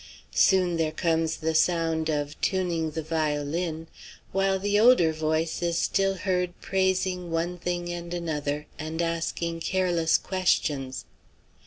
Soon there comes the sound of tuning the violin, while the older voice is still heard praising one thing and another, and asking careless questions.